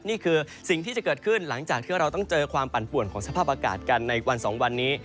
นี่คือสิ่งที่จะเกิดขึ้นหลังจากที่เราต้องเจอความปั่นป่วนของสภาพอากาศกันในวันสองวันนี้